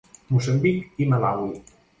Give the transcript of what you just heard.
Moçambic i Malawi.